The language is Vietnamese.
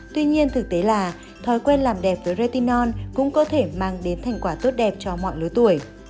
tuy nhiên thực tế là thói quen làm đẹp với retion cũng có thể mang đến thành quả tốt đẹp cho mọi lứa tuổi